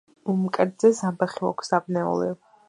მკერდზე ზამბახი მაქვს დაბნეული.